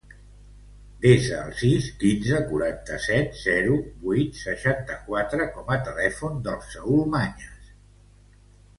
Desa el sis, quinze, quaranta-set, zero, vuit, seixanta-quatre com a telèfon del Saül Mañas.